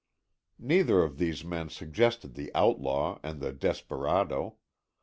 Neither of these men suggested the outlaw and the desperado.